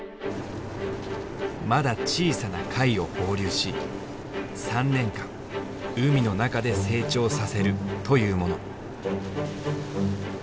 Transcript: まだ小さな貝を放流し３年間海の中で成長させるというもの。